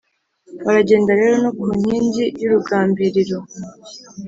baragenda rero no ku nkingi y’urugambiriro,